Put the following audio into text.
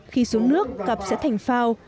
khi xuống nước cặp sẽ thành phao